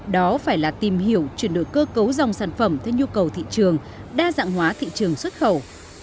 đó phải là tìm hiểu chuyển đổi cơ cấu dòng sản phẩm theo nhu cầu thị trường đa dạng hóa thị trường xuất khẩu